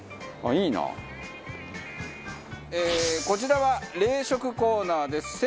こちらは冷食コーナーです。